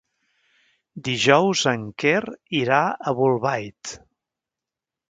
Dijous en Quer irà a Bolbait.